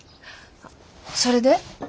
それで？